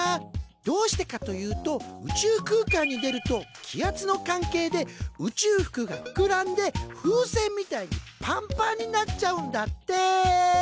どうしてかというと宇宙空間に出ると気圧の関係で宇宙服がふくらんで風船みたいにパンパンになっちゃうんだって！